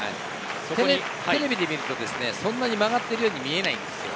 テレビで見ると、そんなに曲がっているように見えないんですよ。